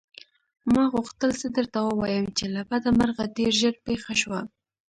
ما غوښتل څه درته ووايم چې له بده مرغه ډېر ژر پېښه شوه.